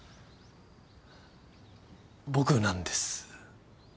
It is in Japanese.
僕なんです。